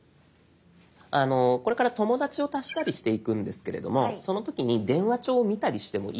これから友だちを足したりしていくんですけれどもその時に「電話帳を見たりしてもいいですか？」